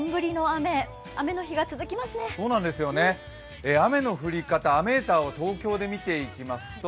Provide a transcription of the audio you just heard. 雨の降り方、雨ーターを東京で見ていきますと